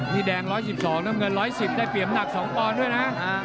นี่แดง๑๑๒น้ำเงิน๑๑๐ได้เปรียบ๒ปอนด์ด้วยนะ